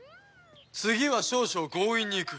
次は少々強引にいく。